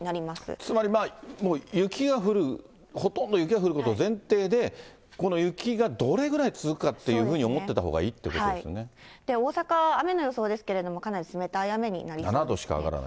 つまり雪が降る、ほとんどが雪が降ることを前提で、この雪がどれぐらい続くかっていうふうに思ってたほうがいいとい大阪、雨の予想ですけれども、７度しか上がらない。